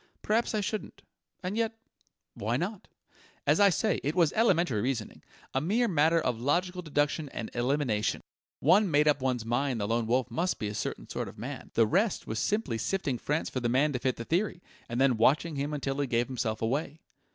"Perhaps I shouldn't. And yet why not? As I say, it was elementary reasoning a mere matter of logical deduction and elimination. One made up one's mind the Lone Wolf must be a certain sort of man; the rest was simply sifting France for the man to fit the theory, and then watching him until he gave himself away."